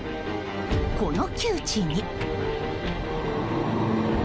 この窮地に。